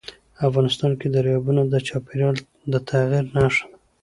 افغانستان کې دریابونه د چاپېریال د تغیر نښه ده.